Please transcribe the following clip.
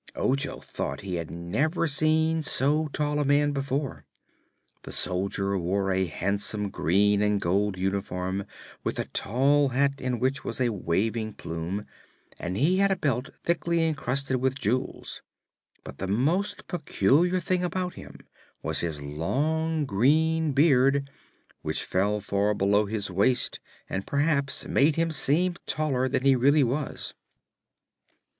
Ojo thought he had never seen so tall a man before. The soldier wore a handsome green and gold uniform, with a tall hat in which was a waving plume, and he had a belt thickly encrusted with jewels. But the most peculiar thing about him was his long green beard, which fell far below his waist and perhaps made him seem taller than he really was.